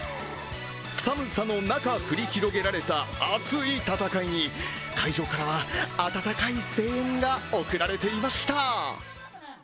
寒さの中、繰り広げられた熱い戦いに会場からは温かい声援が送られていました。